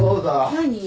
何？